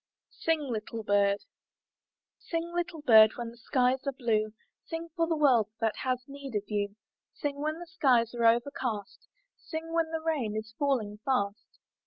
SING, LITTLE BIRD Sing, little bird, when the skies are blue; Sing, for the world has need of you; Sing when the skies are overcast; Sing when the rain is falling fast.